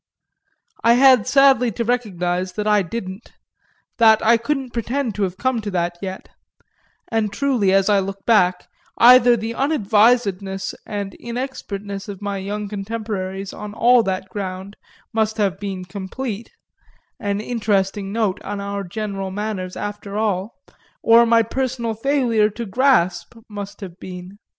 I had sadly to recognise that I didn't, that I couldn't pretend to have come to that yet and truly, as I look back, either the unadvisedness and inexpertness of my young contemporaries on all that ground must have been complete (an interesting note on our general manners after all,) or my personal failure to grasp must have been.